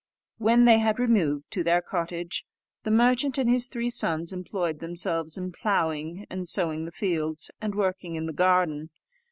When they had removed to their cottage, the merchant and his three sons employed themselves in ploughing and sowing the fields, and working in the garden.